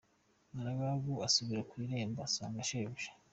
Umugaragu asubira ku irembo asanga shebuja.